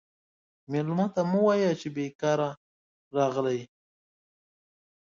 مېلمه ته مه وایه چې بیکاره راغلی یې.